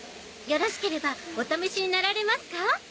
よろしければお試しになられますか？